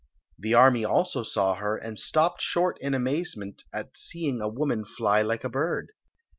The army also saw her, and stopped short in amazement at see ing a woman fly like a bird.